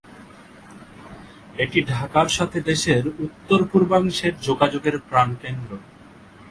এটি ঢাকার সাথে দেশের উত্তর-পূর্বাংশের যোগাযোগের প্রাণকেন্দ্র।